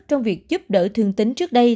trong việc giúp đỡ thương tín trước đây